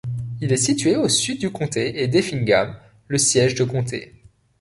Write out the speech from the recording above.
Il est situé au sud du comté et d'Effingham, le siège de comté.